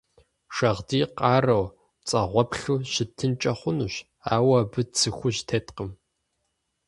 Шагъдий къарэу, пцӀэгъуэплъу щытынкӏэ хъунущ, ауэ абы цы хужь теткъым.